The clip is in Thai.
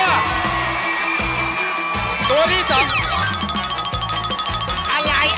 อะไรอะไร